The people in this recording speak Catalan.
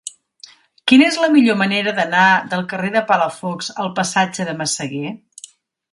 Quina és la millor manera d'anar del carrer de Palafox al passatge de Massaguer?